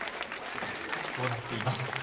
こうなっています。